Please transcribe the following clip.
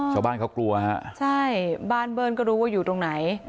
ชาวบ้านเขากลัวฮะใช่บ้านเบิ้ลก็รู้ว่าอยู่ตรงไหน